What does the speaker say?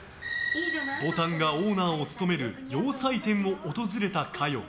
ぼたんがオーナーを務める洋裁店を訪れた香世。